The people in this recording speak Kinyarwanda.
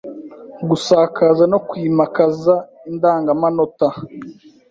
gusakaza no kwimakaza indangamanota